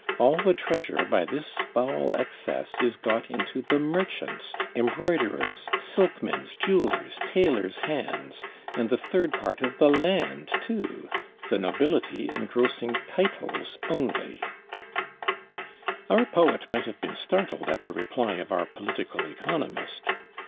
_All the treasure by This foul excess is got into the merchants', Embroiderers', silkmen's, jewellers', tailors' hands, And the third part of the land too!_ the nobility Engrossing titles only." Our poet might have been startled at the reply of our political economist.